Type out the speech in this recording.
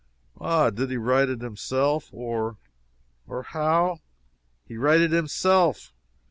"Ah did he write it himself; or or how?" "He write it himself!